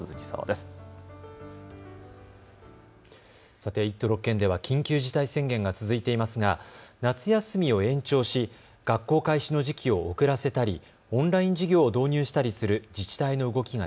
さて１都６県では緊急事態宣言が続いていますが夏休みを延長し学校開始の時期を遅らせたり、オンライン授業を導入したりする自治体の動きが